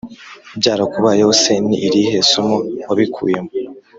byarakubayeho se ni irihe somo wabikuyemo